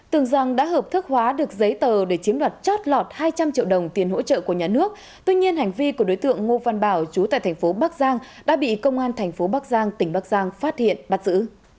tưởng rằng đã hợp thức hóa được giấy tờ để chiếm đoạt chót lọt hai trăm linh triệu đồng tiền hỗ trợ của nhà nước tuy nhiên hành vi của đối tượng ngô văn bảo chú tại thành phố bắc giang đã bị công an thành phố bắc giang tỉnh bắc giang phát hiện bắt giữ